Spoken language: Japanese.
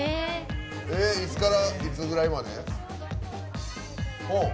いつからいつくらいまで？